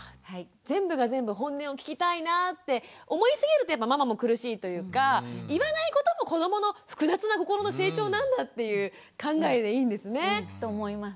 全部が全部ホンネを聞きたいなって思いすぎるとママも苦しいというか言わないことも子どもの複雑な心の成長なんだっていう考えでいいんですね。と思います。